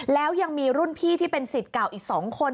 แล้วยังมีรุ่นพี่ที่เป็นสิทธิ์เก่าอีก๒คน